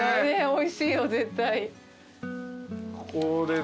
おいしいよ絶対。